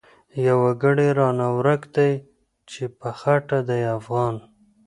يو وګړی رانه ورک دی چی په خټه دی افغان